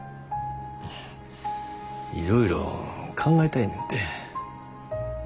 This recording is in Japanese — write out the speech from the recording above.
いろいろ考えたいねんて。